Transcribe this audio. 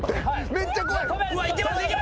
めっちゃ怖い。